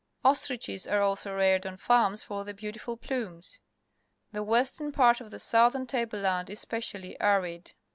Ostriches are also reared on farms for their beauti ful plumes. The western part of the southern table land is specially arid.